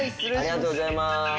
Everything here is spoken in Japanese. ありがとうございます。